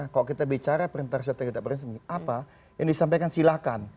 kalau kita bicara perintah strategi apa yang disampaikan silakan